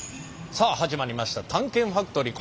さあ始まりました「探検ファクトリー」。